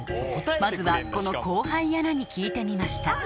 まずはこの後輩アナに聞いてみました